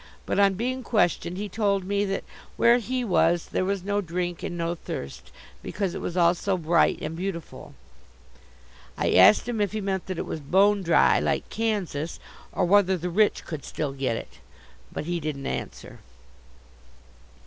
But on being questioned he told me that where he was there was no drink and no thirst, because it was all so bright and beautiful. I asked him if he meant that it was "bone dry" like Kansas, or whether the rich could still get it? But he didn't answer.